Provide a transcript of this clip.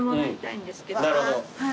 はい。